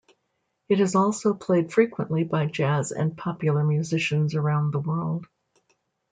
It is also played frequently by jazz and popular musicians around the world.